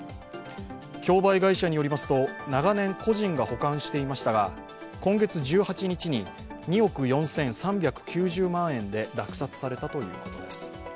競売会社によりますと長年、個人が保管していましたが今月１８日に２億４３９０万円で落札されたということです。